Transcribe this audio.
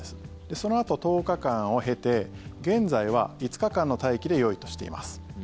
そのあと１０日間を経て現在は５日間の待機でよいとしています。